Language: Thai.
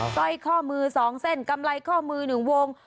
สร้อยข้อมือสองเส้นกำไรข้อมือหนึ่งวง